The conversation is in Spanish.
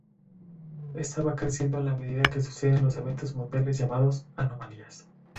Esta va creciendo en la medida que suceden los eventos mundiales llamados "Anomalías".